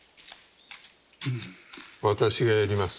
私がやります。